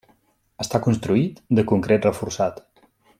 Està construït de concret reforçat.